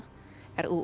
ruu larangan perhubungan